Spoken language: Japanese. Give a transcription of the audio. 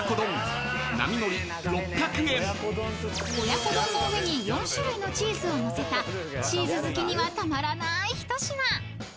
［親子丼の上に４種類のチーズをのせたチーズ好きにはたまらない一品］